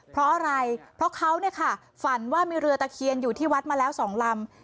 เพราะอะไรเพราะเขาเนี่ยค่ะฝันว่ามีเรือตะเคียนอยู่ที่วัดมาแล้ว๒ลำ